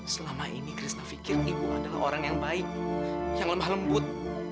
selama ini krisna fikir ibu adalah orang yang baik yang lemah lembut